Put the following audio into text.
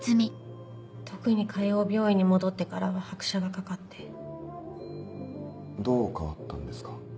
特に海王病院に戻ってからは拍車がかかっどう変わったんですか？